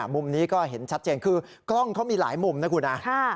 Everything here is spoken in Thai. มุมนี้ก็เห็นชัดเจนคือกล้องเขามีหลายมุมนะคุณนะ